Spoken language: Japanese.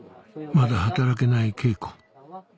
まだ働けない敬子